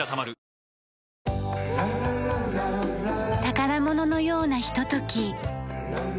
宝物のようなひととき。